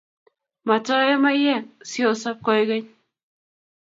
Matoye maiyek siosob koikeny